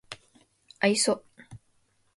愛想